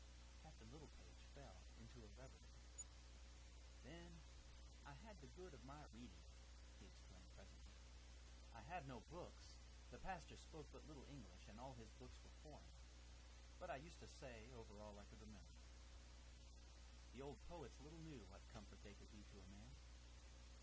Captain Littlepage fell into a reverie. "Then I had the good of my reading," he explained presently. "I had no books; the pastor spoke but little English, and all his books were foreign; but I used to say over all I could remember. The old poets little knew what comfort they could be to a man.